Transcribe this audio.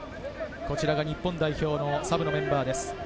日本代表のサブのメンバーです。